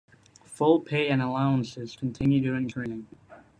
Full pay and allowances continue during training.